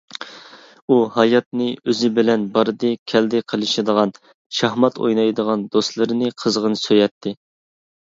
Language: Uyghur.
ئۇ ھاياتنى، ئۆزى بىلەن باردى-كەلدى قىلىشىدىغان، شاھمات ئوينايدىغان دوستلىرىنى قىزغىن سۆيەتتى.